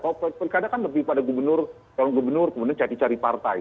kalau pilkada kan lebih pada gubernur calon gubernur kemudian cari cari partai